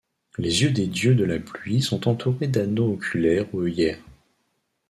Les yeux des dieux de la pluie sont entourés d'anneaux oculaires ou œillères.